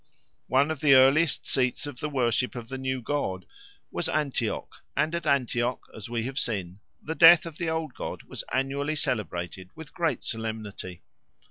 One of the earliest seats of the worship of the new god was Antioch, and at Antioch, as we have seen, the death of the old god was annually celebrated with great solemnity.